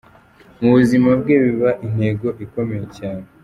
Mu buzima bwe biba intego ikomeye cyane.